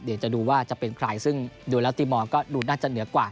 เดี๋ยวจะดูว่าจะเป็นใครซึ่งดูแล้วตีมอลก็ดูน่าจะเหนือกว่า